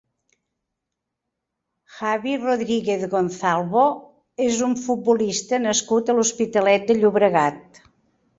Javi Rodríguez Gonzalvo és un futbolista nascut a l'Hospitalet de Llobregat.